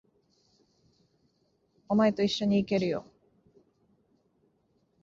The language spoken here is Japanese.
お前と一緒に行けるよ。